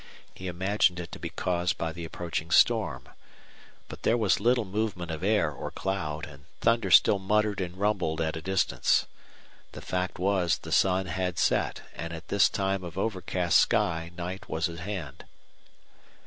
He imagined it to be caused by the approaching storm. But there was little movement of air or cloud, and thunder still muttered and rumbled at a distance. The fact was the sun had set, and at this time of overcast sky night was at hand.